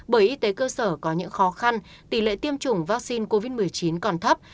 bởi y tế cơ sở có những khó khăn tỷ lệ tiêm chủng vaccine covid một mươi chín còn thấp